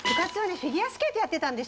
フィギュアスケートやってたんです。